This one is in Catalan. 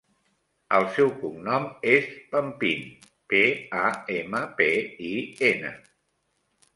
El seu cognom és Pampin: pe, a, ema, pe, i, ena.